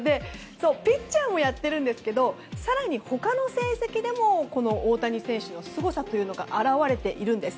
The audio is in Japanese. ピッチャーもやってるんですが更に他の成績でも大谷選手のすごさが表れています。